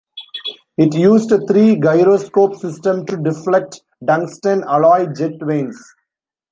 It used a three-gyroscope system to deflect tungsten alloy jet vanes.